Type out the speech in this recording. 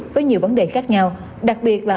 với nhiều vấn đề khác nhau đặc biệt là